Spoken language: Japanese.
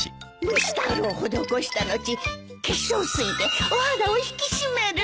蒸しタオルを施した後化粧水でお肌を引き締める。